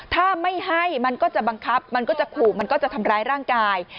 ถ้าไม่ให้มันก็จะบังคับมันก็จะขู่มันก็จะทำร้ายร่างกาย